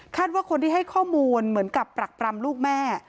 ว่าคนที่ให้ข้อมูลเหมือนกับปรักปรำลูกแม่